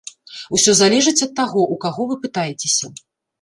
Усё залежыць ад таго, у каго вы пытаецеся.